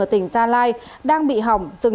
ở tỉnh gia lai đang bị hỏng